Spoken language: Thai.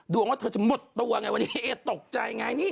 ดวงว่าเธอจะหมดตัวอย่างไรวันนี้เอ๋ตกใจอย่างงี้